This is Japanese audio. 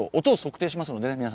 音を測定しますのでね